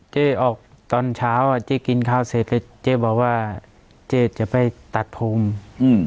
เจ๊ออกตอนเช้าอ่ะเจ๊กินข้าวเสร็จเจ๊บอกว่าเจ๊จะไปตัดผมอืม